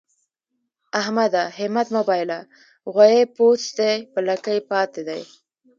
احمده! همت مه بايله؛ غويی پوست دی په لکۍ پاته دی.